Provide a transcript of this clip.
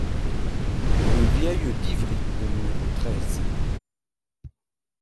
Rue Vieille d'Ivry au numéro treize